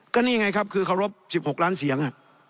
ก็นี่ไงครับคือเคารพ๑๖ล้านเสียง